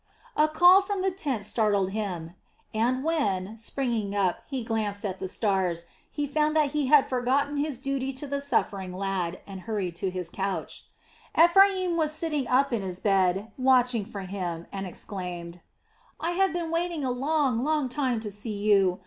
A call from the tent startled him and when, springing up, he glanced at the stars, he found that he had forgotten his duty to the suffering lad and hurried to his couch. Ephraim was sitting up in his bed, watching for him, and exclaimed: "I have been waiting a long, long time to see you.